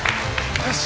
よし！